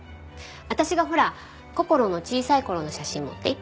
私がほらこころの小さい頃の写真持っていったじゃん。